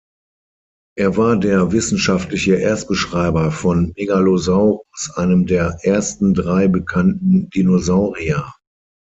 Er war der wissenschaftliche Erstbeschreiber von "Megalosaurus", einem der ersten drei bekannten Dinosaurier.